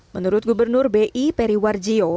menurut gubernur bi periwar jio